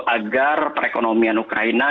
agar perekonomian ukraina